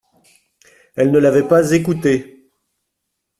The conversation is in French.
Elles ne l’avaient pas écoutée.